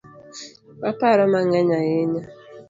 Aparo mang’eny ahinya